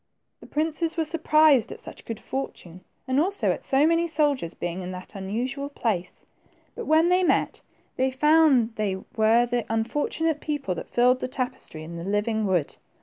The princes were surprised at such good fortune, and also at so many soldiers being in that unusual place ; but when they met, they found they were the unfortunate people that filled the tapestry and the living wood.